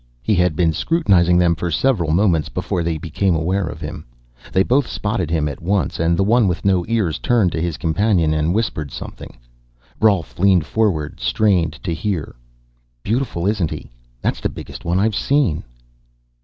He had been scrutinizing them for several moments before they became aware of him. They both spotted him at once and the one with no ears turned to his companion and whispered something. Rolf, leaning forward, strained to hear. "... beautiful, isn't he? That's the biggest one I've seen!"